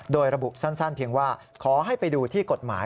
โดยระบุสั้นเพียงว่าขอให้ไปดูที่กฎหมาย